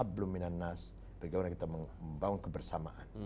bagaimana kita membangun kebersamaan